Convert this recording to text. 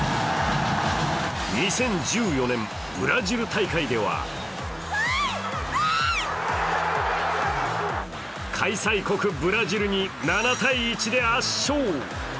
２０１４年、ブラジル大会では開催国ブラジルに７−１で圧勝。